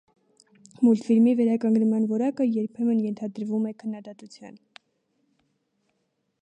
Մուլտֆիլմի վերականգնման որակը, երբեմն ենթարկվում է քննադատության։